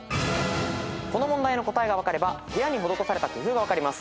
この問題の答えが分かれば部屋に施された工夫が分かります。